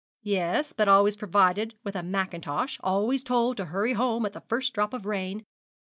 'Yes, but always provided with a mackintosh always told to hurry home at the first drop of rain.